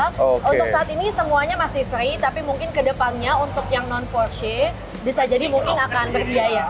untuk saat ini semuanya masih free tapi mungkin kedepannya untuk yang non empat shay bisa jadi murning akan berbiaya